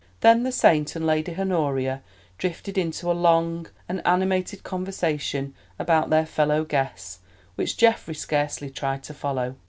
Then the Saint and Lady Honoria drifted into a long and animated conversation about their fellow guests, which Geoffrey scarcely tried to follow.